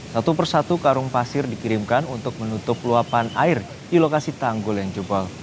satu persatu karung pasir dikirimkan untuk menutup luapan air di lokasi tanggul yang jebol